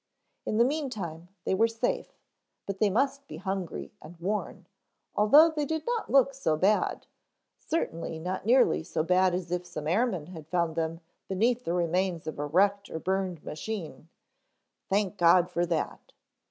In the meantime they were safe, but they must be hungry and worn, although they did not look so bad certainly not nearly so bad as if some airman had found them beneath the remains of a wrecked or burned machine. Thank God for that!